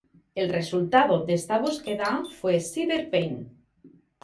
El resultado de esta búsqueda fue Cyber Paint.